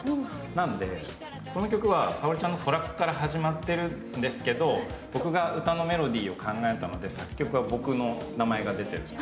なのでこの曲はＳａｏｒｉちゃんのトラックから始まっているんですけど僕が歌のメロディーを考えたので、作曲は僕の名前が出てる。